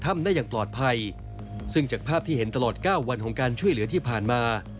ได้อย่างปลอดภัยซึ่งจากภาพที่เห็นตลอดเก้าวันของการช่วยเหลือที่ผ่านมา